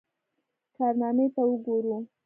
کارنامې ته وګورو.